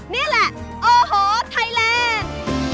นี่แหละโอ้โหไทยแลนด์